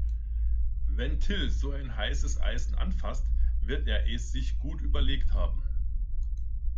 Wenn Thiel so ein heißes Eisen anfasst, wird er es sich gut überlegt haben.